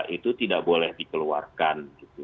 itu tidak boleh dikeluarkan